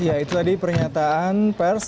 ya itu tadi pernyataan pers